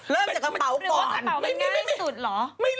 เริ่มจากกระเป๋าก่อน